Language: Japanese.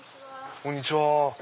こんにちは。